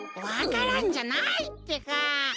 わか蘭じゃないってか。